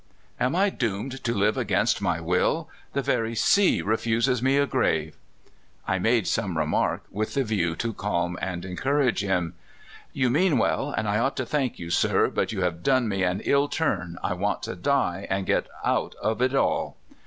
Am I doomed to live against my will? The very sea refuses me a grave !" I made some remark, with the view to calm and encourage him. " You mean well, and I ought to thank you, sir; but you have done me an ill turn. I want to die and get out of it all."